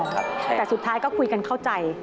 แต่สุดท้ายก็คุยกันเข้าใจ